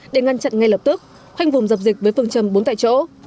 để ngăn chặn ngay lập tức khoanh vùng dập dịch với phương châm bốn tại chỗ